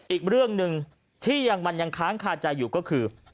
อีกเรื่องหนึ่งที่ยังมันยังค้างคาใจอยู่ก็คือ